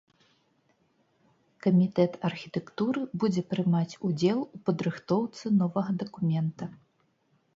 Камітэт архітэктуры будзе прымаць удзел у падрыхтоўцы новага дакумента.